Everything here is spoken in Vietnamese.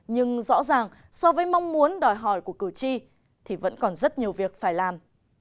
nhưng rõ ràng so với mong muốn đòi hỏi của cử tri thì vẫn còn rất nhiều việc phải làm